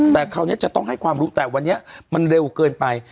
แต่คราวนี้จะต้องให้ความรู้แต่วันนี้มันเร็วเกินไป